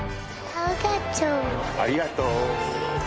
ありがとう。